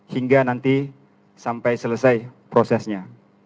hingga nanti sampai selesai prosesnya